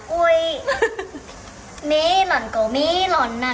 พระหาย่างที่ถึง